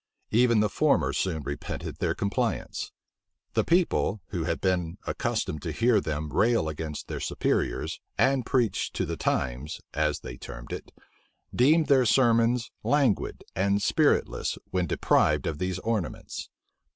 Even the former soon repented their compliance. The people, who had been accustomed to hear them rail against their superiors, and preach to the times, as they termed it, deemed their sermons languid and spiritless when deprived of these ornaments.